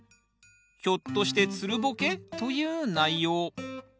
ひょっとしてつるボケ？という内容。